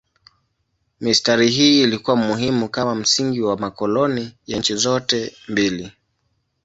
Mistari hii ilikuwa muhimu kama msingi wa makoloni ya nchi zote mbili.